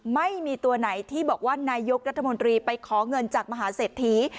ไม่มีตัวไหนที่บอกว่านายกรัฐมนตรีไปขอเงินจากมหาเศรษฐี